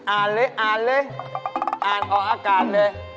อ่านเลยอ่านเลยอ่านออกอากาศเลย